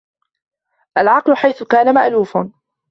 الْعَقْلُ حَيْثُ كَانَ مَأْلُوفٌ